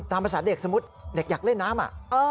ตามภาษาเด็กสมมุติเด็กอยากเล่นน้ำ